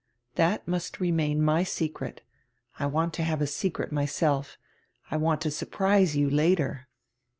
"That nrust renrain my secret I w r ant to have a secret myself. I want to surprise you later."